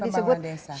disebut shiny tabanan